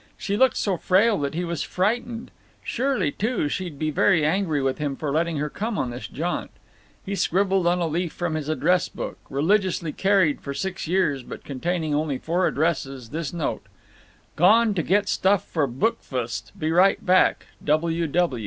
She looked so frail that he was frightened. Surely, too, she'd be very angry with him for letting her come on this jaunt. He scribbled on a leaf from his address book—religiously carried for six years, but containing only four addresses—this note: Gone to get stuff for bxfst be right back.